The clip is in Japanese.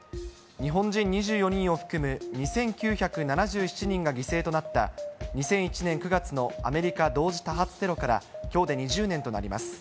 日本人２４人を含む、２９７７人が犠牲となった２００１年９月のアメリカ同時多発テロからきょうで２０年となります。